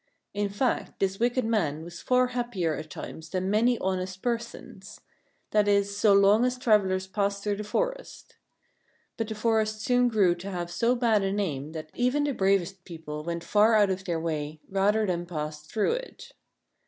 In fact, this wicked man was far happier at times than many honest per sons; that is, so long as travellers passed through the forest. But the forest soon grew to have so bad a name that even the bravest people went far out of their way rather than pass SNOWHEART 57 through it.